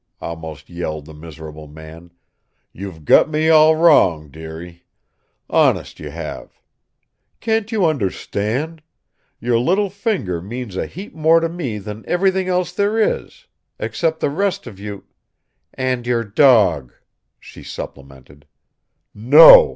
almost yelled the miserable man. "You've got me all wrong, dearie. Honest, you have. Can't you understand? Your little finger means a heap more to me than ev'rything else there is except the rest of you " "And your dog," she supplemented. "No!"